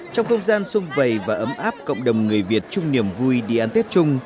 trong không gian sung vầy và ấm áp cộng đồng người việt chung niềm vui đi ăn tết chung